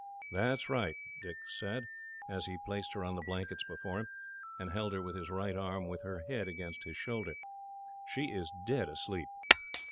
"That is right," Dick said, as he placed her on the blankets before him, and held her with his right arm, with her head against his shoulder. "She is dead asleep."